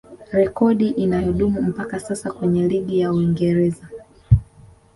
Rekodi inayodumu mpaka sasa kwenye ligi ya Uingereza